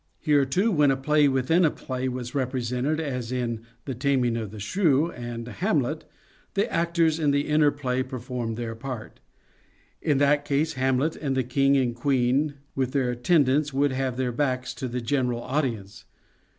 Here, too, when a play within a play was represented, as in " The Taming of the Shrew " and " Hamlet," the actors in the inner play performed their part ; in that case Hamlet and the King and Queen, with SHAKESPEAREAN THEATRES ii their attendants, would have their backs to the general audience.